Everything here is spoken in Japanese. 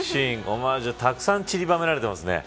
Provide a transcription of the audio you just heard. オマージュたくさんちりばめられてますね。